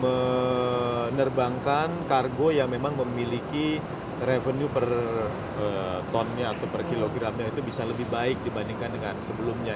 menerbangkan kargo yang memang memiliki revenue per tonnya atau per kilogramnya itu bisa lebih baik dibandingkan dengan sebelumnya